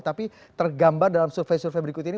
tapi tergambar dalam survei survei berikut ini